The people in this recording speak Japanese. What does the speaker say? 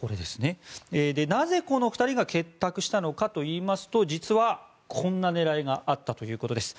なぜ、この２人が結託したのかといいますと実は、こんな狙いがあったということです。